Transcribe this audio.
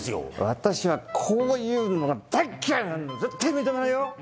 私はこういうのが大嫌いなんだ絶対認めないよ。